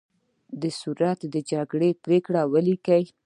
صورت جلسه د پریکړو لیکل دي